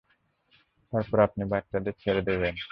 তারপর আপনি বাচ্চাদের ছেড়ে দেবেন।